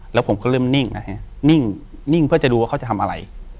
แล้วผมก็เริ่มนิ่งนะเห็นไหมนิ่งนิ่งเพื่อจะดูว่าเขาจะทำอะไร